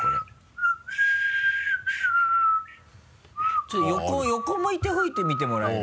ちょっと横向いて吹いてみてもらえる？